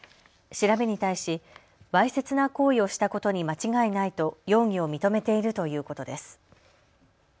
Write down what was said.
調べに対し、わいせつな行為をしたことに間違いないと、容疑を認めているということです。